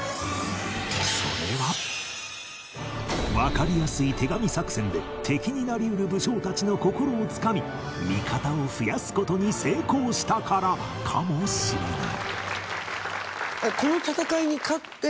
それはわかりやすい手紙作戦で敵になり得る武将たちの心を掴み味方を増やす事に成功したからかもしれない